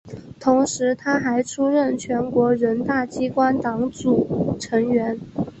同时她还出任全国人大机关党组成员。